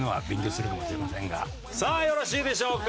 さあよろしいでしょうか？